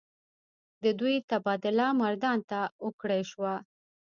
د دوي تبادله مردان ته اوکړے شوه ۔